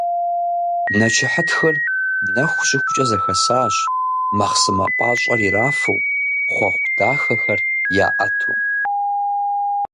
Нэчыхьытхыр нэху щыхукӏэ зэхэсащ, мэхъсымэ пӏащӏэр ирафу, хъуэхъу дахэхэр яӏэту.